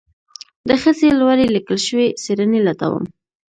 د ښځې لوري ليکل شوي څېړنې لټوم